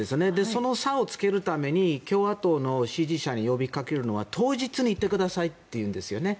その差をつけるために共和党の支持者に呼びかけるのは当日に行ってくださいと言うんですね。